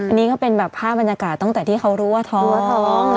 อันนี้ก็เป็นแบบภาพบรรยากาศตั้งแต่ที่เขารู้ว่าท้องท้อง